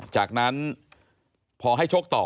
จากนั้นพอให้โชคต่อ